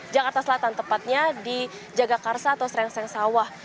jakarta selatan tepatnya di jagakarsa atau srengseng sawah